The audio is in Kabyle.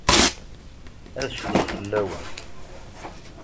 Ad cfuɣ fell-awen.